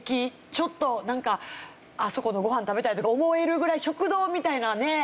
ちょっとなんかあそこのご飯食べたいとか思えるぐらい食堂みたいなね。